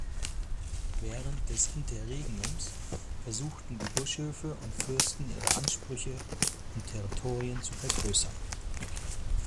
Während des Interregnums versuchten die Bischöfe und Fürsten, ihre Ansprüche und Territorien zu vergrößern.